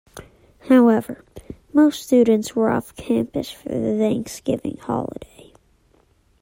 However, most students were off-campus for the Thanksgiving holiday.